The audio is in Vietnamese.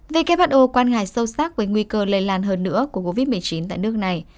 who quan ngại sâu sắc với nguy cơ lây lan hơn nữa của covid một mươi chín tại nước này